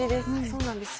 そうなんですよ。